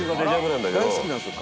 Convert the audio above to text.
大好きなんですよ